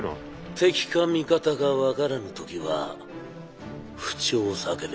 「敵か味方か分からぬ時は符丁を叫べ」。